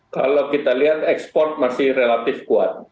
kalau kita lihat ekspor masih relatif kuat